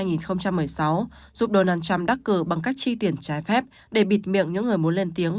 giúp donald trump đắc cử bằng cách chi tiền trái phép để bịt miệng những người muốn lên tiếng